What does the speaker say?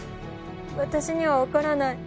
わたしには分からない。